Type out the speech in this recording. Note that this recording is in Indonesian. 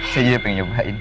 jadi dia pengen nyobain